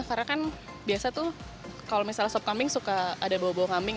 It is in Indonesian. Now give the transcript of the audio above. karena kan biasanya tuh kalau misalnya sop kambing suka ada bau bau kambing